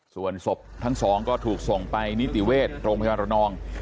ส่วนศพทั้งสองก็ถูกส่งไปนิติเวชโรงพยาบาลระนอง